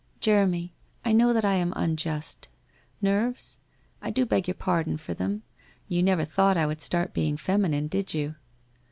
' Jeremy, I know that I am unjust. Nerves ? I do beg your pardon for them. You never thought I would start being feminine, did you